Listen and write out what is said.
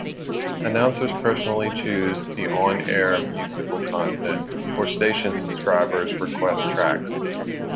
Announcers personally choose the on-air musical content, or station subscribers request tracks.